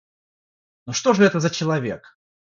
Но что же это за человек?